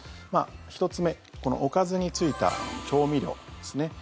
１つ目おかずについた調味料ですね。